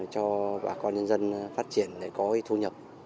cho bà con nhân dân phát triển để có thu nhập